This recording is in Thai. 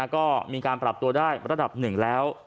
ก็มีการปรับตัวได้ระดับหนึ่งแล้ว